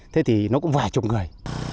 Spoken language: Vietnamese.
thế thì nó cũng vài chục người